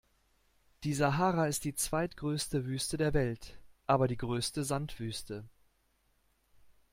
Die Sahara ist die zweitgrößte Wüste der Welt, aber die größte Sandwüste.